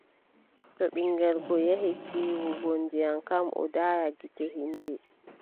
To ɓiŋngel go yehi tiiwugo ndiyam kam, o daaya gite yimɓe.